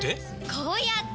こうやって！